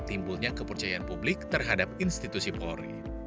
timbulnya kepercayaan publik terhadap institusi polri